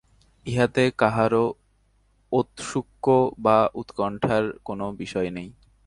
ইহাতে কাহারো ঔৎসুক্য বা উৎকণ্ঠার কোনো বিষয় নাই।